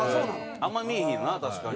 あんま見いひんよな確かに。